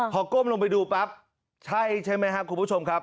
พอก้มลงไปดูปั๊บใช่ใช่ไหมครับคุณผู้ชมครับ